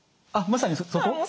あっまさにそこ？